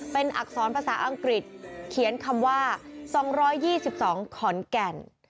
เป็นอักษรภาษาอังกฤษเขียนคำว่าสองร้อยยี่สิบสองขอนแก่น